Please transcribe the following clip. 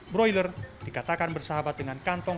broiler dikatakan bersahabat dengan kantong